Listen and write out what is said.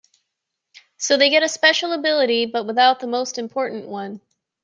So they get a special ability but without the most important one.